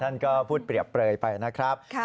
ท่านก็พูดเปรียบเปลยไปนะครับ